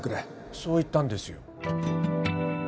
そう言ったんですよ